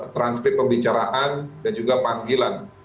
transkrip pembicaraan dan juga panggilan